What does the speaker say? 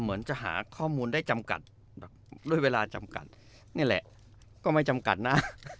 เหมือนจะหาข้อมูลได้จำกัดด้วยเวลาจำกัดนี่แหละก็ไม่จำกัดนะ